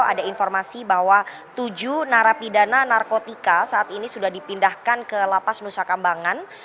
ada informasi bahwa tujuh narapidana narkotika saat ini sudah dipindahkan ke lapas nusa kambangan